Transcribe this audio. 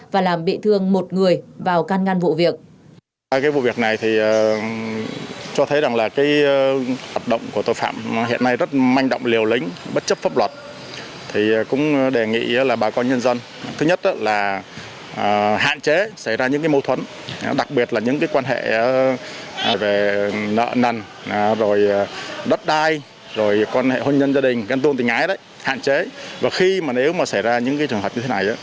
và làm bị thương một người vào căn ngăn vụ việc